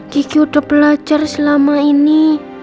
kiki sudah belajar selama ini